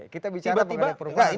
kita bicara tentang perubahan